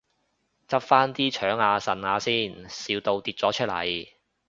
執返啲腸啊腎啊先，笑到跌咗出嚟